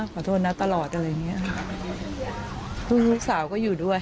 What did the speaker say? ขอโทษนะตลอดอะไรอย่างเงี้ยซึ่งลูกสาวก็อยู่ด้วย